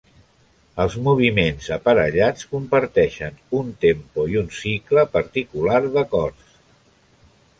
Els moviments aparellats comparteixen un tempo i un cicle particular d'acords.